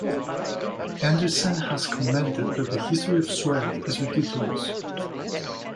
Anderson has commented that the history of Suede is ...ridiculous.